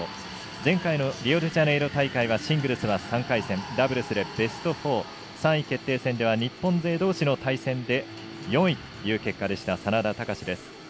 前回のリオデジャネイロ大会はシングルスは３回戦ダブルスはベスト４、３位決定戦では日本勢どうしの対戦で、４位という結果でした眞田卓です。